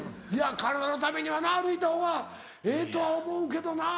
体のためにはな歩いたほうがええとは思うけどな。